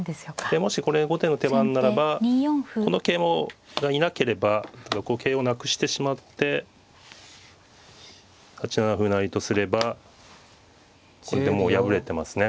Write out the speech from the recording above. もしこれ後手の手番ならばこの桂馬がいなければこう桂をなくしてしまって８七歩成とすればこれでもう破れてますね。